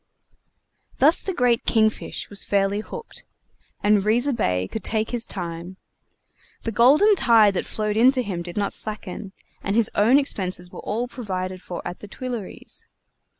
Thus the great King fish was fairly hooked, and Riza Bey could take his time. The golden tide that flowed in to him did not slacken, and his own expenses were all provided for at the Tuileries.